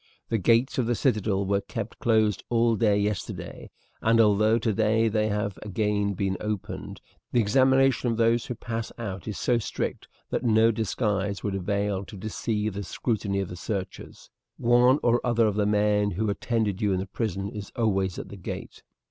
The gates of the citadel were kept closed all day yesterday; and although today they have again been opened, the examination of those who pass out is so strict that no disguise would avail to deceive the scrutiny of the searchers. One or other of the men who attended you in the prison is always at the gate.